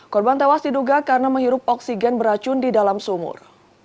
korban tewas diduga karena menghirup oksigen beracun di dalam sumur